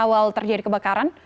saat awal terjadi kebakaran